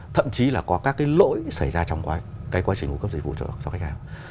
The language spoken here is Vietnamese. thậm chí là có các cái lỗi xảy ra trong quá trình cung cấp dịch vụ cho khách hàng